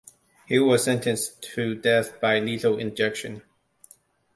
Hill was sentenced to death by lethal injection.